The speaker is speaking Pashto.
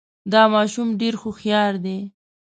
دا ماشوم ډېر هوښیار دی